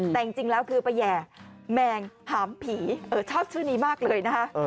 แต่จริงแล้วเป๋ยแหม่งหามผีชอบชื่อนี้มากเลย